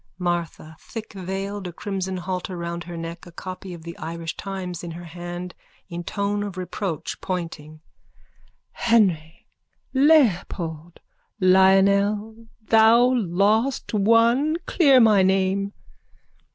MARTHA: (Thickveiled, a crimson halter round her neck, a copy of the Irish Times in her hand, in tone of reproach, pointing.) Henry! Leopold! Lionel, thou lost one! Clear my name.